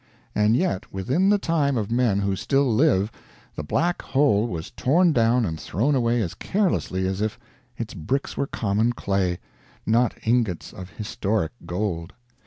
And yet within the time of men who still live, the Black Hole was torn down and thrown away as carelessly as if its bricks were common clay, not ingots of historic gold.